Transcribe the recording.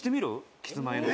キスマイの３人」